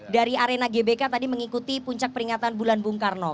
dari arena gbk tadi mengikuti puncak peringatan bulan bung karno